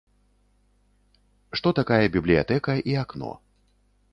Што такая бібліятэка і акно.